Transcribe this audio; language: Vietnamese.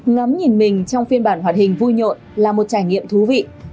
ngắm nhìn mình trong phiên bản hoạt hình vui nhộn là một trải nghiệm thú vị